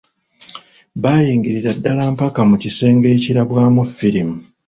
Baayingirira ddala mpaka mu kisenge ekirabwamu firimu..